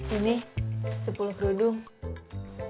ini sepuluh kerudung